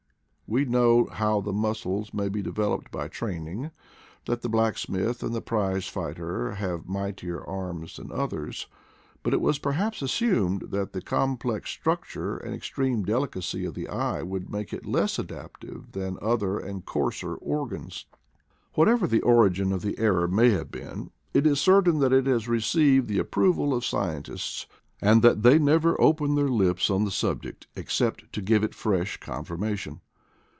We know how the muscles may be devel oped by training, that the blacksmith and prize fighter have mightier arms than others ; but it was perhaps assumed that the complex structure and extreme delicacy of the eye would make it less adaptive than other and coarser organs. What ever the origin of the error may have been, it is certain that it has received the approval of scien tists, and that they never open their lips on the subject except to give it fresh confirmation.